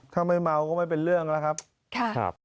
ถ้าไม่เมาก็ไม่เป็นเรื่องแล้วครับ